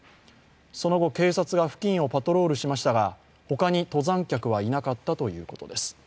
その後、警察が付近をパトロールしましたが他に登山客はいなかったということです